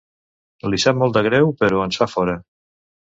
Li sap molt de greu però ens fa fora.